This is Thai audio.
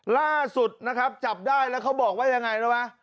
ล่าสุดจับได้แล้วเขาบอกว่ายังไง